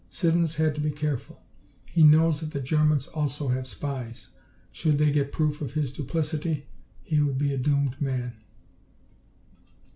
Siddons had to be careful. He knows that the Germans also have spies. Should they get proof of his duplicity, he would be a doomed man."